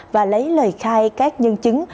và lấy lời khai các nhân chứng